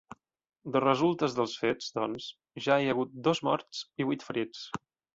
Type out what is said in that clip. De resultes dels fets, doncs, ja hi ha hagut dos morts i vuit ferits.